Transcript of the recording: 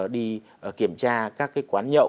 đi kiểm tra các cái quán nhậu